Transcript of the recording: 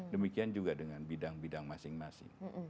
demikian juga dengan bidang bidang masing masing